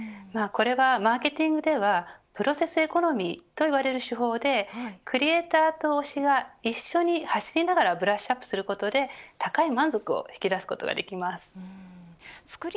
これはマーケティングではプロセスエコノミーといわれる手法でクリエイターと推しが一緒に走りながらブラシアップすることで高い満足を引き出すことができます。